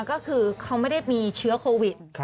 ก็คือเขาไม่ได้มีเชื้อโควิด